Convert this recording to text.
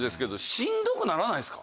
しんどくならないですか？